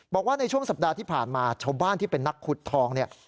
บอกว่าในช่วงสัปดาห์ที่ผ่านมาชาวบ้านที่เป็นนักขุดทองเนี่ย